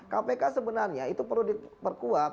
kpk sebenarnya itu perlu diperkuat